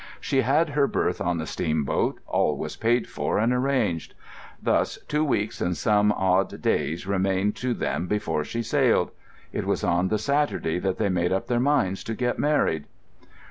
She had her berth on the steamboat; all was paid for and arranged. Thus two weeks and some odd days remained to them before she sailed.... It was on the Saturday that they made up their minds to get married.